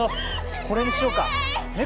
これにしようか。